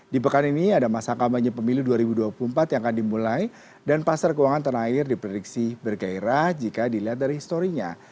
di pekan ini ada masa kampanye pemilu dua ribu dua puluh empat yang akan dimulai dan pasar keuangan tanah air diprediksi bergairah jika dilihat dari historinya